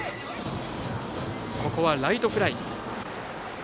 ここはライトフライ。